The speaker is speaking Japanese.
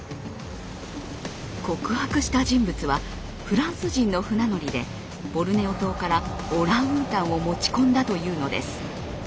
告白した人物はフランス人の船乗りでボルネオ島からオランウータンを持ち込んだというのです。